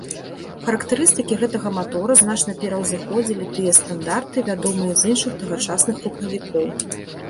Характарыстыкі гэтага матора значна пераўзыходзілі тыя стандарты, вядомыя з іншых тагачасных рухавікоў.